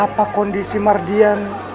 apakah kondisi merdian